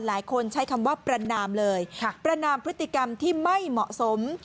ใช้คำว่าประนามเลยประนามพฤติกรรมที่ไม่เหมาะสม